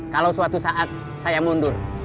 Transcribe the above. kalau suatu saat saya mundur